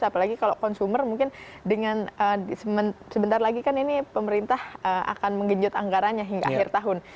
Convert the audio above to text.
apalagi kalau consumer mungkin dengan sebentar lagi kan ini pemerintah akan menggenjot anggarannya hingga akhir tahun